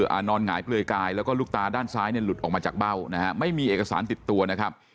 นอนหงายเปลือยกายแล้วก็ลูกตาด้านซ้ายเนี่ยหลุดออกมาจากเบ้านะฮะไม่มีเอกสารติดตัวนะครับ